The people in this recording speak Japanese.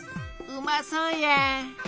うまそうや。